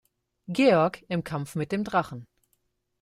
Georg im Kampf mit dem Drachen.